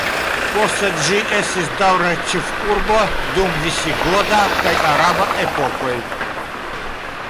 Poste ĝi estis daŭre ĉefurbo dum visigota kaj araba epokoj.